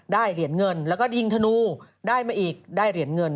เหรียญเงินแล้วก็ยิงธนูได้มาอีกได้เหรียญเงิน